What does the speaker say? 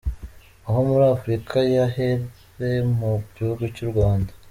aho muri Afurika yahere mu gihugu cy’ u Rwanda.